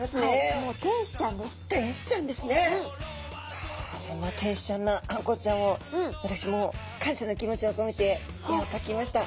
そんな天使ちゃんなあんこうちゃんを私も感謝の気持ちをこめて絵を描きました。